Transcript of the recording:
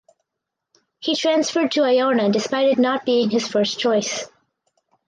He transferred to Iona despite it not being his first choice.